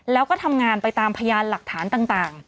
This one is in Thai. แล้วก็ทำงานไปตามพยานหลักฐานต่าง